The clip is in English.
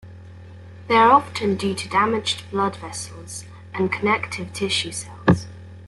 They are often due to damage of blood vessels and connective tissue cells.